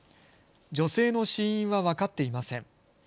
女性の死因は分かっていません。